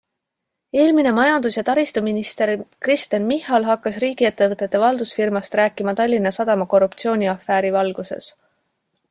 Eelmine majandus- ja taristuminister Kristen Michal hakkas riigiettevõtete valdusfirmast rääkima Tallinna Sadama korruptsiooniafääri valguses.